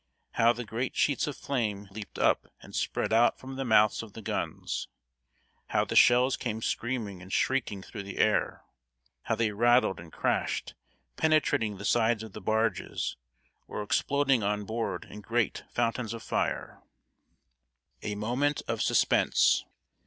How the great sheets of flame leaped up and spread out from the mouths of the guns! How the shells came screaming and shrieking through the air! How they rattled and crashed, penetrating the sides of the barges, or exploding on board in great fountains of fire! [Sidenote: A MOMENT OF SUSPENSE.